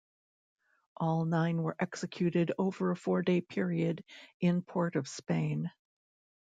All nine were executed over a four-day period in Port of Spain.